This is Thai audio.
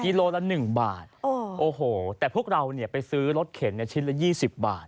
โลละ๑บาทโอ้โหแต่พวกเราเนี่ยไปซื้อรถเข็นชิ้นละ๒๐บาท